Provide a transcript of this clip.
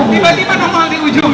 tiba tiba normal di ujung